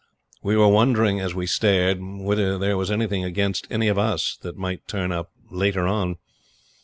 We were wondering as we stared, whether there was anything against any one of us that might turn up later on.